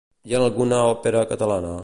I en alguna òpera catalana?